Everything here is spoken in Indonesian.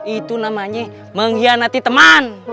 itu namanya mengkhianati teman